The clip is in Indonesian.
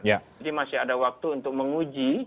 jadi masih ada waktu untuk menguji